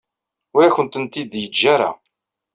Ur akent-tent-id-yeǧǧa ara.